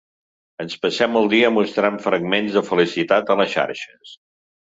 Ens passem el dia mostrant fragments de felicitat a les xarxes.